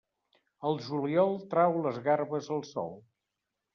Al juliol, trau les garbes al sol.